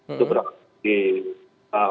untuk berangkat di eee